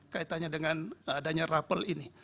kaitannya dengan adanya rapel ini